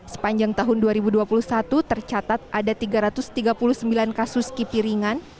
sepanjang tahun dua ribu dua puluh satu tercatat ada tiga ratus tiga puluh sembilan kasus kipi ringan